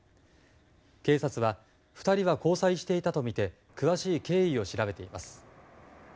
警察は２人は交際していたとみて詳しい経緯を調べています。